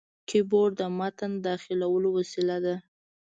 کیبورډ د متن داخلولو وسیله ده.